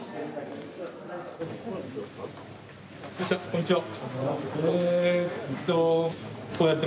こんにちは。